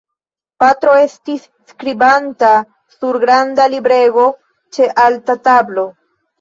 Patro estis skribanta sur granda librego ĉe alta tablo.